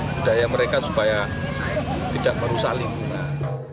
budaya mereka supaya tidak merusak lingkungan